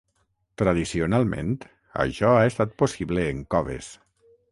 Tradicionalment, això ha estat possible en coves.